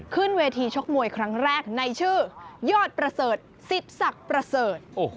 ขึ้นเวทีชกมวยครั้งแรกในชื่อยอดประเสริฐสิทธิ์ศักดิ์ประเสริฐ